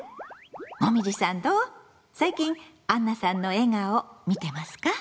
最近あんなさんの笑顔見てますか？